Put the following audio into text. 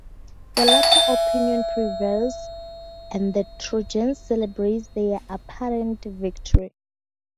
The latter opinion prevails, and the Trojans celebrate their apparent victory.